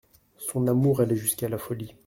Son amour allait jusqu'à la folie.